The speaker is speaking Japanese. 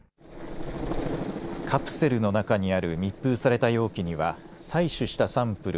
カプセルの中にある密封された容器には採取したサンプル